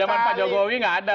zaman pak jokowi nggak ada